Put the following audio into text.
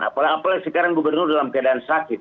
apalagi sekarang gubernur dalam keadaan sakit